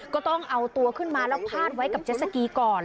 ก็ต้องเอาตัวขึ้นมาแล้วพาดไว้กับเจ็ดสกีก่อน